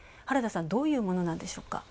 原田さん、どういうものなんでしょうか？